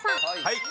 はい。